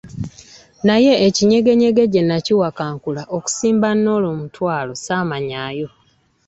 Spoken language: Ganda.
Naye ekinyegenyege gye nakiwakankula okusimba Norah omutwalo, ssaamanyaayo.